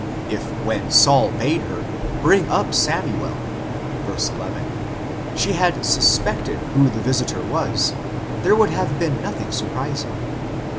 If when Saul bade her bring up Samuel (verse 11) she had suspected who the visitor was, there would have been nothing surprising.